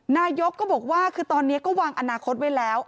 นายกก็บอกว่าคือตอนนี้ก็วางอนาคตไว้แล้ว